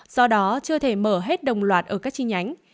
do đó chưa thể mở hết đồng loạt ở các chi nhánh